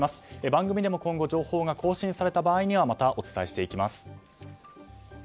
番組で今後情報が更新された場合にはまたお伝えしていきます。